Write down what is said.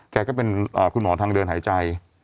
ก็เป็นคุณหมอทางเดินหายใจ